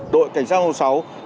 đội cảnh sát hồng sản